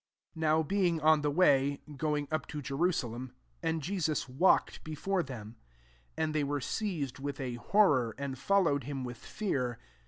'* 32 NOW being on the way, going up to Jerusalem; and Jesus wsdked before them : and they were seized with a horror, and followed him with fear.